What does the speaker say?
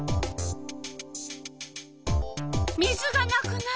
水がなくなった。